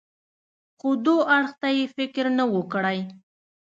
خو دو اړخ ته يې فکر نه و کړى.